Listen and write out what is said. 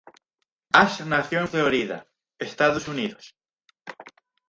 Ash nació en Florida, Estados Unidos.